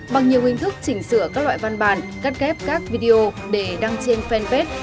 bằng nhiều hình thức chỉnh sửa các loại văn bản cắt kép các video để đăng trên fanpage